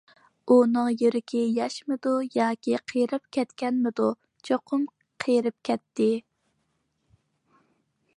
ئۇنىڭ يۈرىكى ياشمىدۇ ياكى قېرىپ كەتكەنمىدۇ؟ چوقۇم قېرىپ كەتتى.